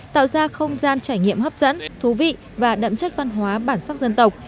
tạo ra không gian trải nghiệm hấp dẫn thú vị và đậm chất văn hóa bản sắc dân tộc